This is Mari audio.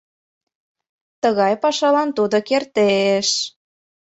— Тыгай пашалан тудо кертеш